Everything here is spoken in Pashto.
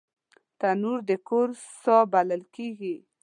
تنور د کور ساه بلل کېږي